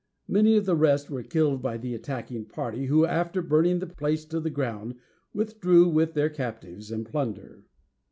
Many of the rest were killed by the attacking party, who, after burning the place to the ground, withdrew with their captives and plunder.